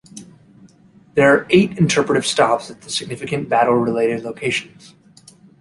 There are eight interpretive stops at significant battle-related locations.